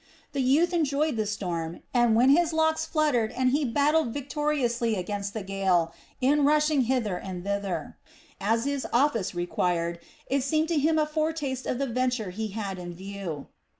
The youth enjoyed the storm, and when his locks fluttered and he battled victoriously against the gale in rushing hither and thither, as his office required, it seemed to him a foretaste of the venture he had in view.